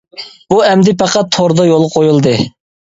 بۇ ئەمدى پەقەت توردا يولغا قويۇلدى.